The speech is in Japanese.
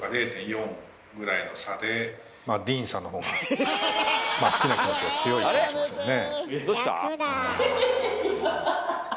ディーンさんの方が好きな気持ちが強いかもしれませんね。